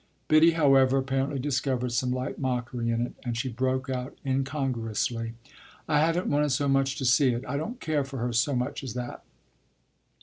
Biddy, however, apparently discovered some light mockery in it, and she broke out incongruously: "I haven't wanted so much to see it! I don't care for her so much as that!"